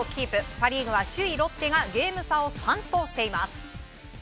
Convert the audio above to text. パ・リーグは首位ロッテがゲーム差を３としています。